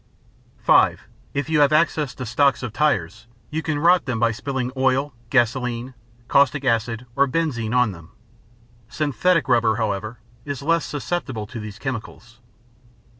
(5) If you have access to stocks of tires, you can rot them by spilling oil, gasoline, caustic acid, or benzine on them. Synthetic rubber, however, is less susceptible to these chemicals.